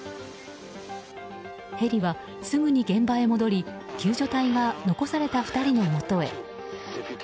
ヘリはすぐに現場へ戻り救助隊が残された２人のもとへ。